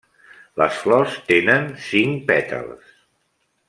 Les flors tenen cinc pètals.